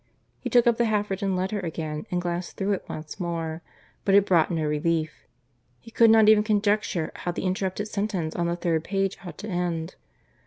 He took up the half written letter again and glanced through it once more, but it brought no relief. He could not even conjecture how the interrupted sentence on the third page ought to end.